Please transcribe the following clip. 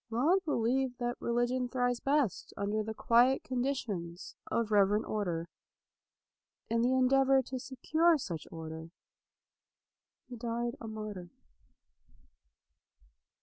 Laud believed that religion thrives best under the quiet conditions of reverent order. In the en deavor to secure such order he died a martyr.